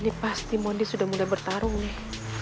ini pasti mondi sudah mulai bertarung nih